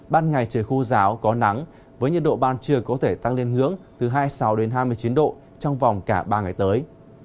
ban ngày trời khô ráo có nắng với nhiệt độ ban trưa có thể tăng lên ngưỡng từ hai mươi sáu hai mươi chín độ trong vòng cả ba ngày tới